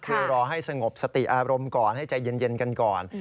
คือรอให้สงบสติอารมณ์ก่อนให้ใจเย็นกันก่อน